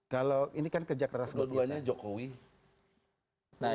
kalau ini kan kerja keras buat kita